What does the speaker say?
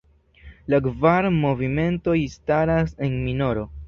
La kvar movimentoj staras en minoro.